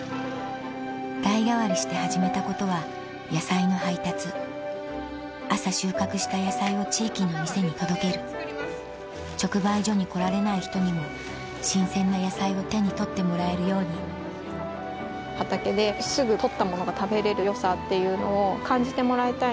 代替わりして始めたことは野菜の配達朝収穫した野菜を地域の店に届ける直売所に来られない人にも新鮮な野菜を手に取ってもらえるように畑ですぐ採ったものが食べれる良さっていうのを感じてもらいたい。